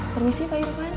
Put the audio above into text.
permisi pak irwan